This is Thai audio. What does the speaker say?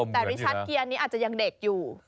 แต่ดิฉันเกียร์นี้อาจจะยังเด็กอยู่